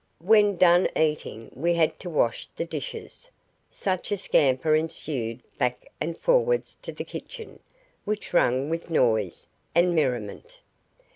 When done eating we had to wash the dishes. Such a scamper ensued back and forwards to the kitchen, which rang with noise, and merriment.